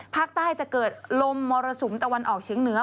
ภาคใต้จะเกิดลมมรสุมตะวันออกเฉียงเหนือ